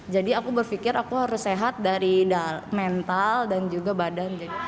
jadi aku berpikir aku harus sehat dari mental dan juga badan